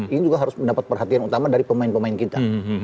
ini juga harus mendapat perhatian utama dari pemain pemain kita